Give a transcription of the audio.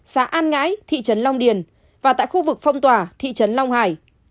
xã an ngãi thị trấn long điền và tại khu vực phong tỏa thị trấn long hải